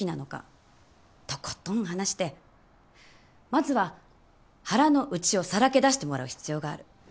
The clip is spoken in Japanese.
とことん話してまずは腹の内をさらけ出してもらう必要がある。